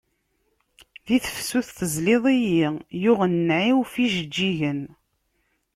Di tefsut tezliḍ-iyi, yuɣ nnɛi-w ɣef ijeǧǧigen.